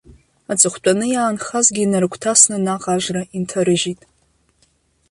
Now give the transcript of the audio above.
Аҵыхәтәаны иаанхазгьы инарыгәҭасны наҟ ажра инҭарыжьит.